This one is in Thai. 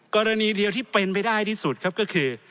กรณีเดียวที่เป็นไปได้ที่สุดครับก็คือ